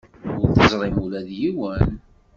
Ur teẓrim ula d yiwen?